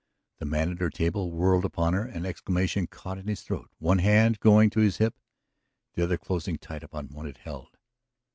The man at her table whirled upon her, an exclamation caught in his throat, one hand going to his hip, the other closing tight upon what it held.